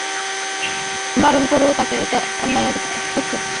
বারণ করো তাঁকে, এটা অন্যায় হচ্ছে।